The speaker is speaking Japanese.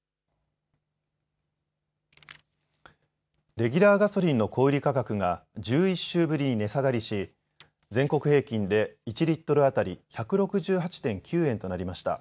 レギュラーガソリンの小売価格が１１週ぶりに値下がりし全国平均で１リットル当たり１６８．９円となりました。